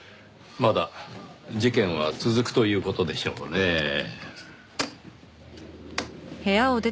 まだ事件は続くという事でしょうねぇ。